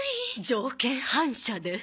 条件反射で。